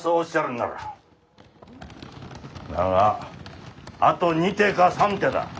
だがあと二手か三手だ。